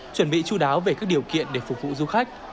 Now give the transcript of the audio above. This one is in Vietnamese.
chuẩn bị chú đáo về các điều kiện để phục vụ du khách